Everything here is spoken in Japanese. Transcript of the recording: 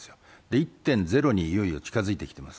１．０にいよいよ近づいてきています。